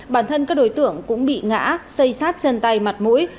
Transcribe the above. bản thân các đối tượng cũng bị ngã xây sát chân tay mặt mũi